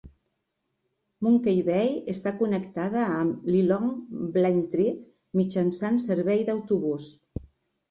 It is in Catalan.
Monkey Bay està connectada amb Lilongwe i Blantyre mitjançant serveis d'autobús.